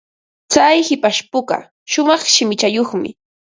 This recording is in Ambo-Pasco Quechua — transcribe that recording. Tsay hipashpuka shumaq shimichayuqmi.